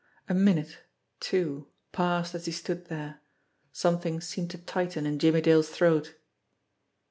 A minute, two, passed as he stood there. Something seemed to tighten in Jimmie Dale's throat.